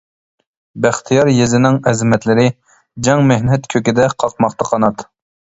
بەختىيار يېزىنىڭ ئەزىمەتلىرى، جەڭ مېھنەت كۆكىدە قاقماقتا قانات.